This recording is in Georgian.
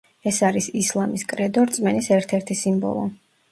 ეს არის ისლამის კრედო, რწმენის ერთ-ერთი სიმბოლო.